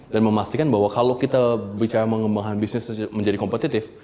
dan memastikan bahwa kalau kita bicara mengembangkan bisnis menjadi kompetitif